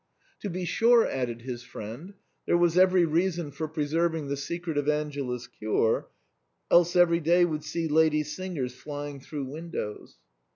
" To be sure," added his friend, " there was every rea son for preserving the secret of Angela's cure, else every day would see lady singers flying through win dows."